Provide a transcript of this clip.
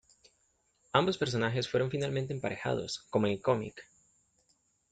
Ambos personajes fueron finalmente emparejados, como en el cómic.